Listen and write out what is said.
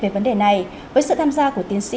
về vấn đề này với sự tham gia của tiến sĩ